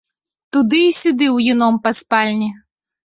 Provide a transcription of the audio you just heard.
Туды і сюды ўюном па спальні.